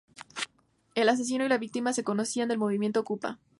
El asesino y la víctima se conocían del Movimiento Okupa.